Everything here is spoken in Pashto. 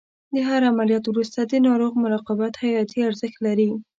د هر عملیات وروسته د ناروغ مراقبت حیاتي ارزښت لري.